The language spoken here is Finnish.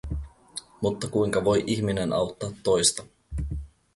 Mutta kuinka voi ihminen auttaa toista?